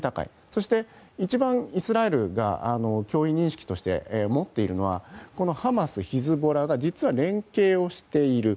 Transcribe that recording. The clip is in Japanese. そして、一番イスラエルが脅威認識として持っているのはハマス、ヒズボラが実は連携をしている。